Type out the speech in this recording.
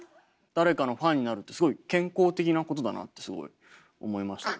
誰かのファンになるってすごい健康的なことだなってすごい思いました。